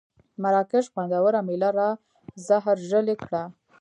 مراکش خوندوره مېله را زهرژلې کړه.